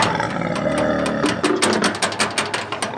王文华就读台大外文系时受教于王文兴教授。